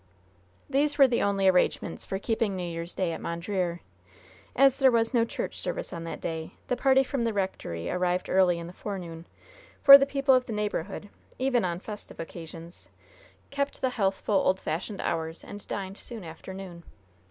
These were the only arrangements for keeping New Year's Day at Mondreer. As there was no church service on that day, the party from the rectory arrived early in the forenoon, for the people of the neighborhood, even on festive occasions, kept the healthful, old fashioned hours, and dined soon after noon.